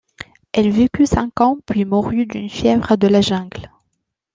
Elle vécut cinq ans puis mourut d'une fièvre de la jungle.